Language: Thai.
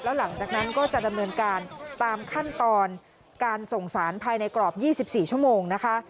แล้วหลังจากนั้นก็จะดำเนินการตามขั้นตอนการส่งสารภายในกรอบ๒๔ชั่วโมงนะคะ